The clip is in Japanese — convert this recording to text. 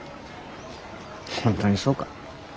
本当にそうか？